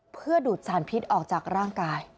เพื่อดูดสารพิษออกจากร่างกาย